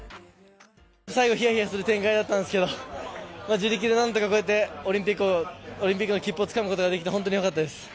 最後ひやひやする展開だったんですけど自力でこうやってオリンピックの切符をつかむことができて本当に良かったです。